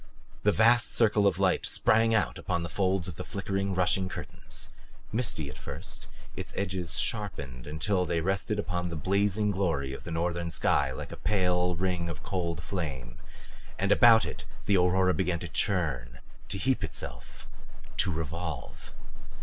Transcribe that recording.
A vast circle of light sprang out upon the folds of the flickering, rushing curtains. Misty at first, its edges sharpened until they rested upon the blazing glory of the northern sky like a pale ring of cold flame. And about it the aurora began to churn, to heap itself, to revolve.